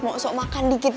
mau sok makan dikit